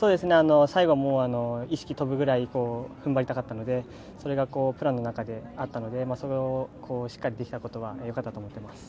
最後意識飛ぶぐらいふんばりたかったのでそれがプランの中であったので、それをしっかりできたことはよかったと思っています。